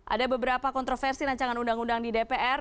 ada beberapa kontroversi rancangan undang undang di dpr